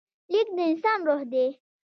لیک د انسان روح دی.